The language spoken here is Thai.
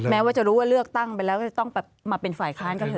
แม้ว่าจะรู้ว่าเลือกตั้งไปแล้วจะต้องแบบมาเป็นฝ่ายค้านกันเถ